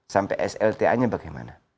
sampai slta nya bagaimana